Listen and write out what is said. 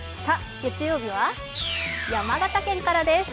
月曜日は山形県からです。